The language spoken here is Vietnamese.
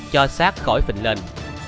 cho sát khỏi phình lên